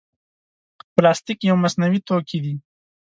پلاستيک یو مصنوعي توکي دی.